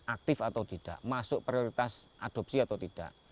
aktif atau tidak masuk prioritas adopsi atau tidak